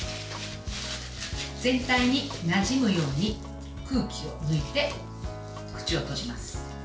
全体になじむように空気を抜いて口を閉じます。